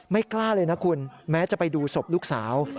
กล้าเลยนะคุณแม้จะไปดูศพลูกสาว